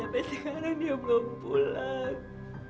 dan sampai sekarang dia belum pulang